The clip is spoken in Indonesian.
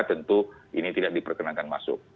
tentu ini tidak diperkenankan masuk